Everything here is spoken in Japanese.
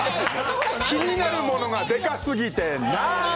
気になるものがでかすぎて。